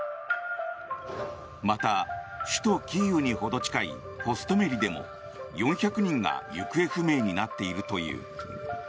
また、首都キーウにほど近いホストメリでも４００人が行方不明になっているという。